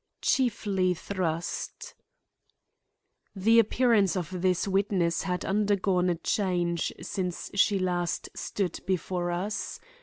CHIEFLY THRUST The appearance of this witness had undergone a change since she last stood before us.